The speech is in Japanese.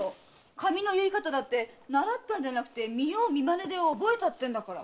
髪の結い方だって習ったんじゃなくて見よう見まねで覚えたってんだから。